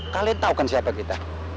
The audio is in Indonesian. kalian tahu kan siapa kita